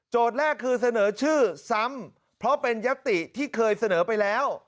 แรกคือเสนอชื่อซ้ำเพราะเป็นยติที่เคยเสนอไปแล้ว